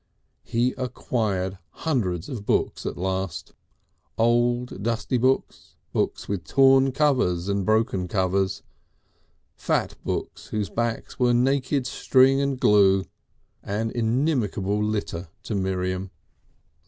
He acquired hundreds of books at last, old dusty books, books with torn covers and broken covers, fat books whose backs were naked string and glue, an inimical litter to Miriam.